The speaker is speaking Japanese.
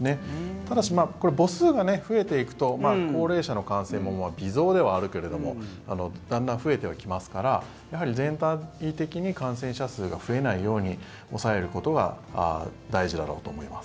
ただし母数が増えていくと高齢者の感染も微増ではあるけれどもだんだん増えてはきますからやはり全体的に感染者が増えないように抑えることが大事だろうと思います。